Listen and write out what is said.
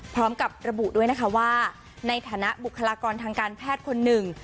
พร้อมกับระบุด้วยนะคะว่าในฐานะบุคลากรทางการแพทย์คนหนึ่ง